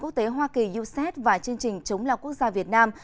quốc tế hoa kỳ uced và chương trình chống lao quốc gia việt nam